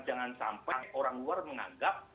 jangan sampai orang luar menganggap